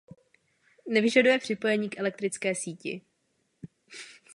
Nevyžaduje připojení k elektrické síti.